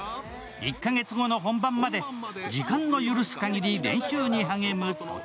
１カ月後の本番まで時間の許すかぎり練習に励む登